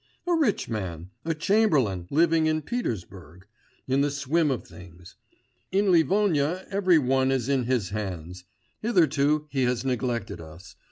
'A rich man, a chamberlain, living in Petersburg, in the swim of things; in Livonia every one is in his hands. Hitherto he has neglected us